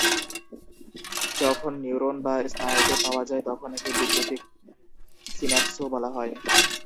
যখন নিউরন বা স্নায়ুতে পাওয়া যায় তখন একে বৈদ্যুতিক সিন্যাপসও বলা হয়।